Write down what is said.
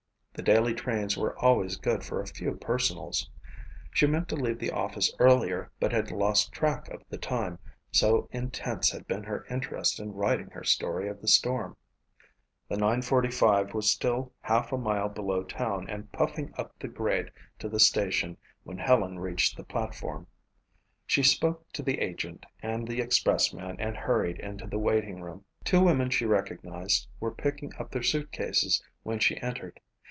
The daily trains were always good for a few personals. She meant to leave the office earlier but had lost track of the time, so intense had been her interest in writing her story of the storm. The nine forty five was still half a mile below town and puffing up the grade to the station when Helen reached the platform. She spoke to the agent and the express man and hurried into the waiting room. Two women she recognized were picking up their suit cases when she entered.